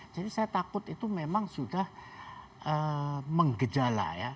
jadi saya takut itu memang sudah menggejala ya